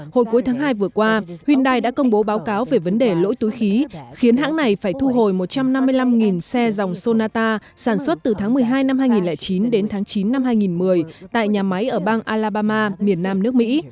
hồi cuối tháng hai vừa qua hyundai đã công bố báo cáo về vấn đề lỗi túi khí khiến hãng này phải thu hồi một trăm năm mươi năm xe dòng sonata sản xuất từ tháng một mươi hai năm hai nghìn chín đến tháng chín năm hai nghìn một mươi tại nhà máy ở bang alabama miền nam nước mỹ